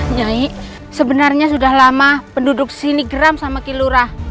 nyai sebenarnya sudah lama penduduk sini geram sama kilurah